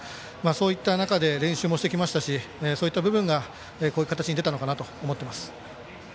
そういった中で練習もしてきましたしそういった部分がこういう形に出たのかなと思っています。